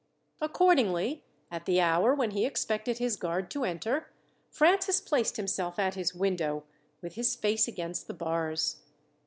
Accordingly, at the hour when he expected his guard to enter, Francis placed himself at his window, with his face against the bars.